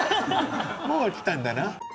もう来たんだな。